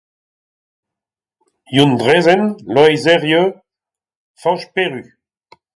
Youenn Drezen, Loeiz Herrieu, Fañch Peru.